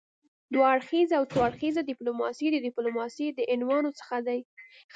دوه اړخیزه او څو اړخیزه ډيپلوماسي د ډيپلوماسي د انواعو څخه دي.